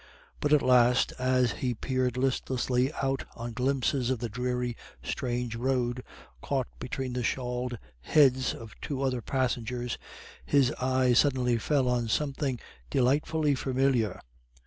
But at last, as he peered listlessly out on glimpses of the dreary, strange road caught between the shawled heads of two other passengers, his eyes suddenly fell on something delightfully familiar.